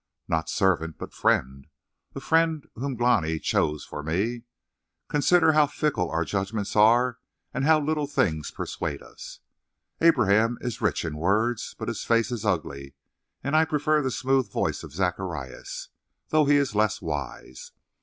"Not servant, but friend a friend whom Glani chose for me. Consider how fickle our judgments are and how little things persuade us. Abraham is rich in words, but his face is ugly, and I prefer the smooth voice of Zacharias, though he is less wise.